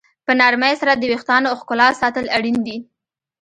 په نرمۍ سره د ویښتانو ښکلا ساتل اړین دي.